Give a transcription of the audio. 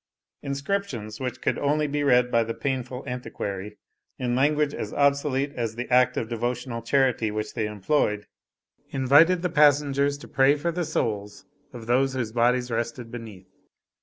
Inscriptions, which could only be read by the painful antiquary, in language as obsolete as the act of devotional charity which they employed, invited the passengers to pray for the souls of those whose bodies rested beneath.